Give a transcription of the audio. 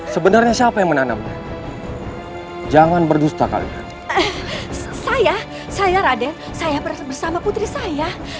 sebenarnya siapa yang menanam jangan berdusta kali saya saya raden saya bersama putri saya